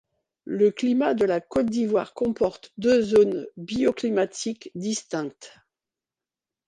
Le climat de la Côte d'Ivoire comporte deux zones bioclimatiques distinctes.